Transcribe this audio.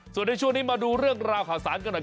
ส่วนในช่วงนี้มาดูเรื่องราวข่าวสารกันหน่อย